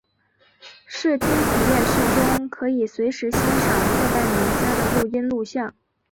视听体验室中可以随时欣赏各代名家的录音录像。